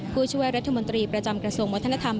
ผู้ช่วยรัฐมนตรีประจำกระทรวงวัฒนธรรม